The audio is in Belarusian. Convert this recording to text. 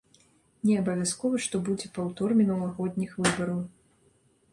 Неабавязкова, што будзе паўтор мінулагодніх выбараў.